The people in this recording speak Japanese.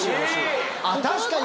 確かに。